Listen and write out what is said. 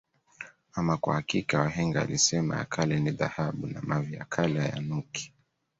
Ama kwa hakika wahenga walisema ya kale ni dhahabu na mavi ya kale ayanuki